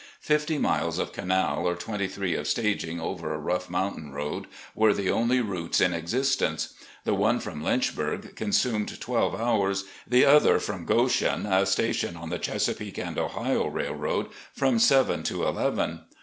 Fifty miles of canal, or twenty three of staging over a rough moimtain road, were the only routes in existence. The one from Lynchbxirg consumed twelve hours, the other, from Goshen (a station on the Chesapeake & Ohio Railroad), from seven to eleven.